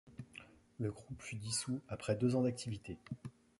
Le groupe fut dissout après deux ans d'activités.